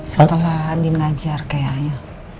setelah andin ngajar kayaknya